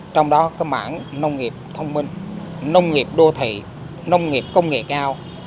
trong đó cái mảng nông nghiệp thông minh nông nghiệp đô thị nông nghiệp công nghệ cao